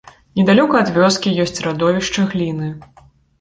Недалёка ад вёскі ёсць радовішча гліны.